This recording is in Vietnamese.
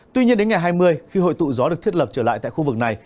tuy nhiên đến ngày hai mươi khi hội tụ gió được thiết lập trở lại tại khu vực này